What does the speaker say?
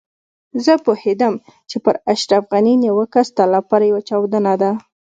زه پوهېدم چې پر اشرف غني نيوکه ستا لپاره يوه چاودنه ده.